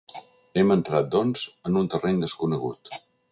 Hem entrat, doncs, en un terreny desconegut.